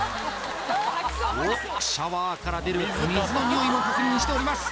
おっシャワーから出る水のニオイも確認しております